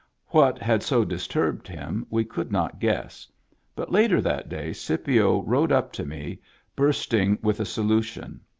What had so disturbed him we could not guess; but later that day Scipio rode up to me, bursting with a solution.